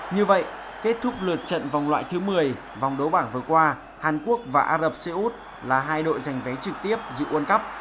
như vậy kết thúc lượt trận vòng loại thứ một mươi vòng đấu bảng vừa qua hàn quốc và ả rập xê út là hai đội giành vé trực tiếp dự world cup